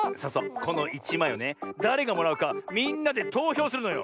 この１まいをねだれがもらうかみんなでとうひょうするのよ。